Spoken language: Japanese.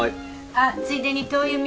あっついでに灯油見て。